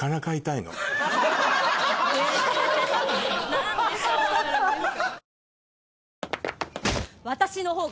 何でそうなるんですか。